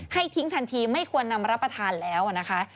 ให้ทิ้งทันทีไม่ควรนำมารับประทานแล้วนะคะ